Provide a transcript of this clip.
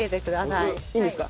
いいんですか？